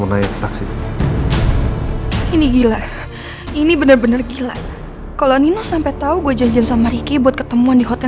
ini steht adalah russian hotel